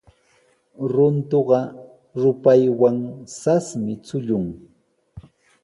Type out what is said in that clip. Runtuqa rupaywan sasmi chullun.